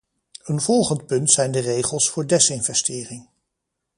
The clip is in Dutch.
Een volgend punt zijn de regels voor desinvestering.